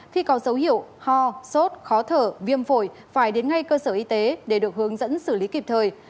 khi có dấu hiệu ho sốt khó thở viêm phổi phải đến ngay cơ sở y tế để được hướng dẫn xử lý kịp thời